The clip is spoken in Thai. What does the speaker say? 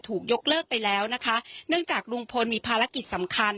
ถูกยกเลิกไปแล้วนะคะเนื่องจากลุงพลมีภารกิจสำคัญ